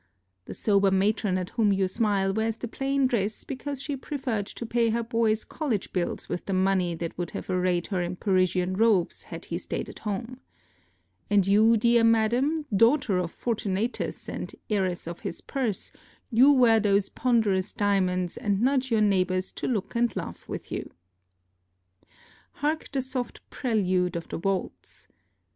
The sober matron at whom you smile wears the plain dress because she preferred to pay her boy's college bills with the money that would have arrayed her in Parisian robes had he stayed at home. And you, dear madam, daughter of Fortunatus and heiress of his purse, you wear those ponderous diamonds and nudge your neighbors to look and laugh with you. Hark the soft prelude of the waltz.